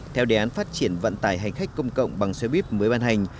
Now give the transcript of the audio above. theo đề án phát triển vận tải hành khách công cộng bằng xe buýt mới ban hành